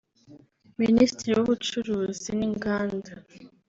Minisitiri w’ubucuruzi n’inganda